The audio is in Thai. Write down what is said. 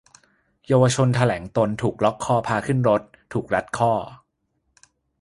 เยาวชนแถลงตนถูกล็อกคอพาขึ้นรถ-ถูกรัดข้อ